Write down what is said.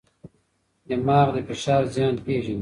دماغ د فشار زیان پېژني.